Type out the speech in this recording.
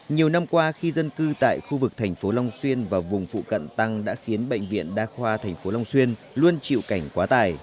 nhiều năm qua khi dân cư tại khu vực thành phố long xuyên và vùng phụ cận tăng đã khiến bệnh viện đa khoa tp long xuyên luôn chịu cảnh quá tải